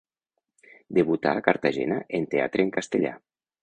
Debutà a Cartagena en teatre en castellà.